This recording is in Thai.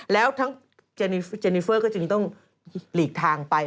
แล้วทั้งเจนิเฟอร์ก็จึงต้องหลีกทางไป